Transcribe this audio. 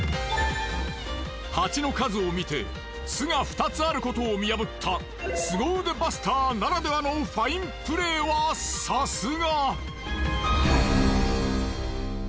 ハチの数を見て巣が２つあることを見破ったスゴ腕バスターならではのファインプレーはさすが。